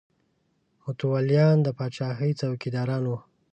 متولیان د پاچاهۍ څوکیداران وو.